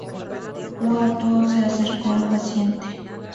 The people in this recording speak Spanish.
Hua Tuo se acercó al paciente.